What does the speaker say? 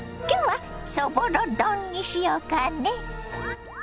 今日はそぼろ丼にしようかね。